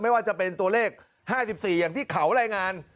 ไม่ว่าจะเป็นตัวเลข๕๔อย่างที่เขารายงาน